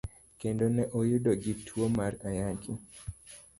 Kendo ne oyude gi tuo mar Ayaki.